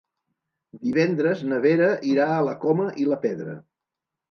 Divendres na Vera irà a la Coma i la Pedra.